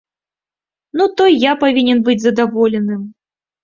Ну то й я павінен быць задаволеным!